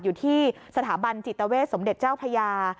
อยู่ที่สถาบันจิตเวทสมเด็จเจ้าพญา